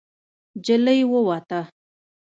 نجلۍ ووته.